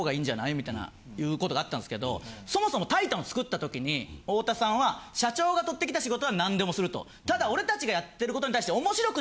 みたいな言うことがあったんですけどそもそもタイタンをつくった時に太田さんは社長がとってきた仕事は何でもするとただ俺達がやってることに対して。